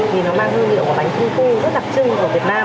nó mang hương liệu của bánh trung thu rất đặc trưng ở việt nam